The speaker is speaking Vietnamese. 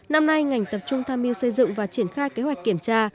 năm nay ngành tập trung tham mưu xây dựng và triển khai kế hoạch kiểm tra